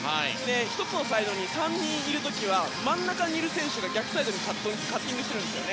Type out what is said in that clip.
１つのサイドに３人いる時は真ん中にいる選手が逆サイドにカッティングしているんですよ。